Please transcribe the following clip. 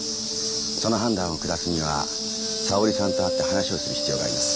その判断を下すには沙織さんと会って話をする必要があります。